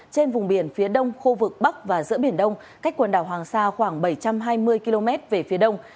trên vùng biển phía đông khu vực bắc và giữa biển đông cách quần đảo hoàng sa khoảng bảy trăm hai mươi km về phía đông